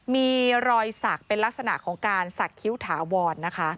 มีรอยสักเป็นลักษณะของการสักคิ้วถาวรนะคะ